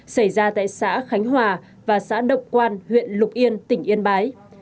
xảy ra tại xã khánh hòa và xã độc quan huyện lục yên tỉnh yên bái